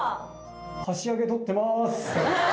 箸上げ撮ってます。